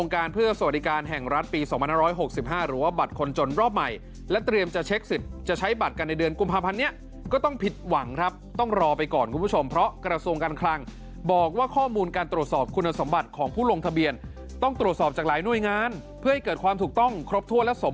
การเพื่อสวัสดิการแห่งรัฐปี๒๕๖๕หรือว่าบัตรคนจนรอบใหม่และเตรียมจะเช็คสิทธิ์จะใช้บัตรกันในเดือนกุมภาพันธ์นี้ก็ต้องผิดหวังครับต้องรอไปก่อนคุณผู้ชมเพราะกระทรวงการคลังบอกว่าข้อมูลการตรวจสอบคุณสมบัติของผู้ลงทะเบียนต้องตรวจสอบจากหลายหน่วยงานเพื่อให้เกิดความถูกต้องครบถ้วนและสม